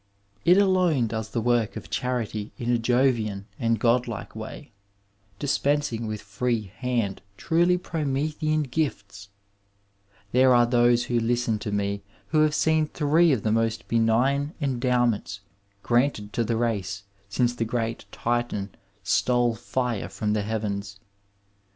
It alone does the work of charity in a Jovian and God like way, dis pensing with free hand truly Promethean gifts. There are those who listen to me who have seen three of the most 282 Digitized by Google CHAUVINISM IN MEDICINE benign endowments granted to the race since the great Titan stole fire from the heavens.